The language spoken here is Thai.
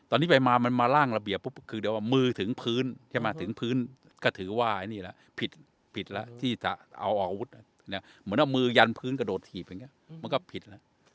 ตอนนี้ไปมามันมาล่างระเบียบปุ๊บคือเดี๋ยวว่ามือถึงพื้นใช่ไหมถึงพื้นก็ถือว่านี่แหละผิดแล้วที่จะเอาออกอาวุธเหมือนเอามือยันพื้นกระโดดถีบอย่างนี้มันก็ผิดแล้ว